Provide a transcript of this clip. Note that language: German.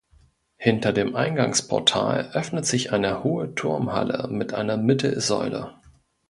Hinter dem Eingangsportal öffnet sich eine hohe Turmhalle mit einer Mittelsäule.